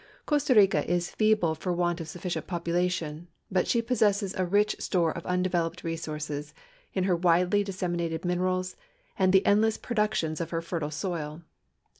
Costa Rica is feeble for want of suHicient population, but she possesses a rich store of undeveloped resources in her widely disseminated minerals and the endless productions of her fertile soil.